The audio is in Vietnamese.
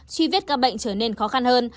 truy vết ca bệnh trở nên khó khăn hơn